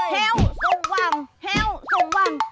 แฮวทรงวังแฮวทรงวัง